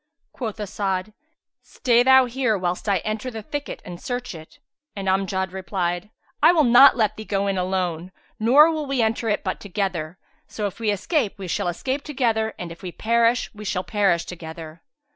Quoth As'ad, "Stay thou here, whilst I enter the thicket and search it;" and Amjad replied, "I will not let thee go in alone: nor will we enter it but together; so if we escape, we shall escape together and if we perish, we shall perish together."